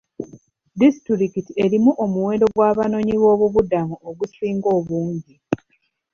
Disitulikiti erimu omuwendo gw'abanoonyiboobubudamu ogusinga obungi.